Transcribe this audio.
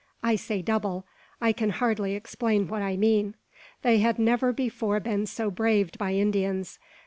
I say double. I can hardly explain what I mean. They had never before been so braved by Indians.